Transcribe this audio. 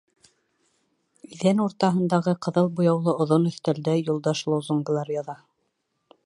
Иҙән уртаһындағы ҡыҙыл буяулы оҙон өҫтәлдә Юлдаш лозунгылар яҙа.